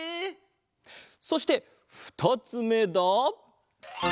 そしてふたつめだ。